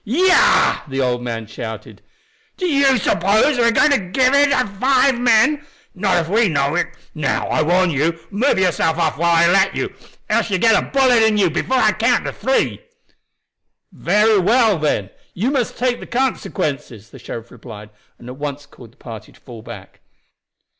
"Yah!" the old man shouted. "Do you suppose we are going to give in to five men? Not if we know it. Now, I warn you, move yourself off while I let you, else you will get a bullet in you before I count three." "Very well, then. You must take the consequences," the sheriff replied, and at once called the party to fall back.